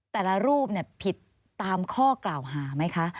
แต่ละรูปผิดตามข้อกล่าวหาไหมคะ